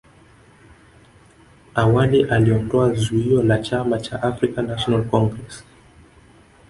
awali aliondoa zuio la chama cha African national Congress